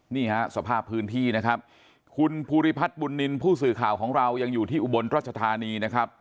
นี่ฮะสภาพพื้นที่นะครับคุณภูริพัฒน์บุญนินทร์ผู้สื่อข่าวของเรายังอยู่ที่อุบลรัชธานีนะครับ